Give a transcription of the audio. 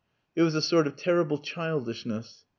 It was a sort of terrible childishness.